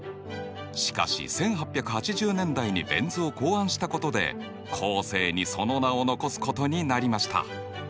しかし１８８０年代にベン図を考案したことで後世にその名を残すことになりました。